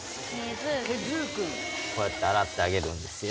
こうやって洗ってあげるんですよ